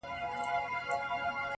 o چي درانه بارونه وړي، خورک ئې ځوز دئ٫